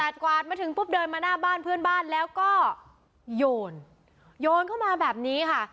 กวาดมาถึงปุ๊บเดินมาหน้าบ้านเพื่อนบ้านแล้วก็โยนโยนเข้ามาแบบนี้ค่ะ